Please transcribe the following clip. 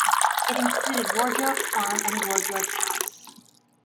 It included Wardrobes farm and Wardrobes House.